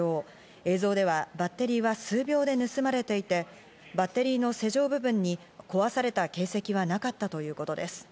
映像ではバッテリーは数秒で盗まれていて、バッテリーの施錠部分に壊された形跡はなかったということです。